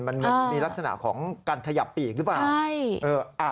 มันเหมือนมีลักษณะของการขยับปีกหรือเปล่า